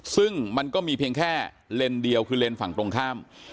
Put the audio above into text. ซึ่งมันก็มีเพียงแค่เลนส์เดียวคือเลนส์ฝั่งตรงข้าม